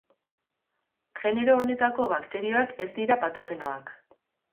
Genero honetako bakterioak ez dira patogenoak.